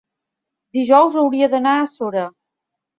dijous hauria d'anar a Sora.